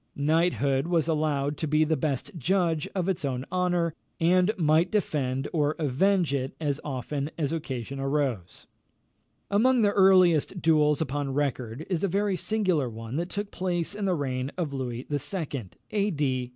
Knighthood was allowed to be the best judge of its own honour, and might defend or avenge it as often as occasion arose. Among the earliest duels upon record, is a very singular one that took place in the reign of Louis II. (A. D. 878).